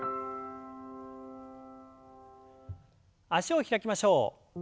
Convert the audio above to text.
脚を開きましょう。